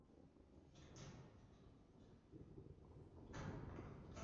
他也主张将州的首府从法兰克福迁到莱克星顿。